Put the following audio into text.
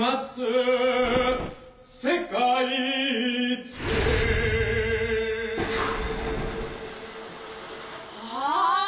「世界一」あ！